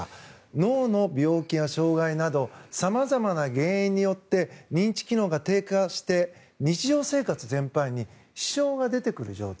脳の病気や障害など様々な原因によって認知機能が低下して日常生活全般に支障が出てくる状態。